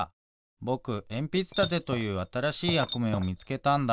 ぼくえんぴつたてというあたらしいやくめをみつけたんだ。